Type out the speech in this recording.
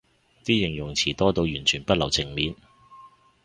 啲形容詞多到完全不留情面